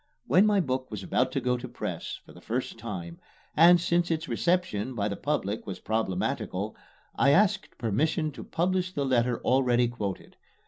When my book was about to go to press for the first time and since its reception by the public was problematical, I asked permission to publish the letter already quoted.